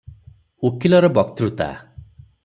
"ଉକୀଲର ବକ୍ତୃତା-